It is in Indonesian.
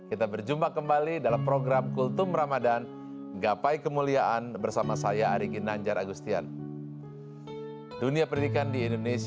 itulah kemuliaan ramadhan